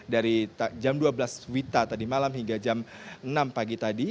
dari jam dua belas wita tadi malam hingga jam enam pagi tadi